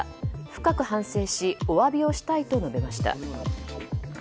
深く反省しお詫びをしたいと述べました。